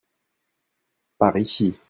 Par ici.